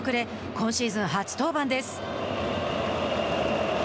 今シーズン初登板です。